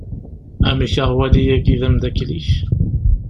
Amek, aɣwali-agi d ameddakel-ik?